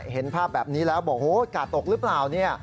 เห็นภาพแบบนี้แล้วบอกโหกาดตกหรือเปล่าเนี่ย